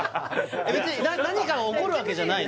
別に何かが起こるわけじゃない？